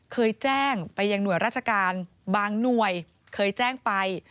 เคยแจ้งไปยังหน่วยราชการบางหน่วยเคยแจ้งไป